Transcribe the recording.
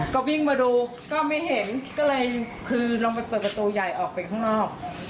ก็วิ่งมาดูก็ไม่เห็นก็เลยคือลงไปเปิดประตูใหญ่ออกไปข้างนอก